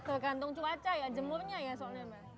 tergantung cuaca ya jemurnya ya soalnya mbak